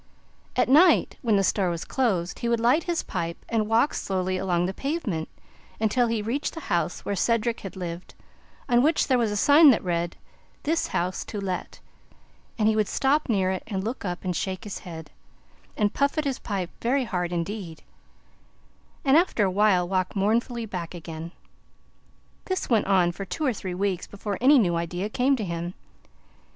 At night, when the store was closed, he would light his pipe and walk slowly along the pavement until he reached the house where Cedric had lived, on which there was a sign that read, "This House to Let"; and he would stop near it and look up and shake his head, and puff at his pipe very hard, and after a while walk mournfully back again. This went on for two or three weeks before any new idea came to him.